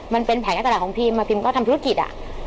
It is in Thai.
มันเป็นแผลกระดาษของพิมพ์พิมพ์ก็ทำธุรกิจ